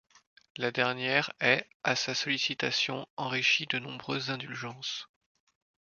La dernière est, à sa sollicitation, enrichie de de nombreuses indulgences.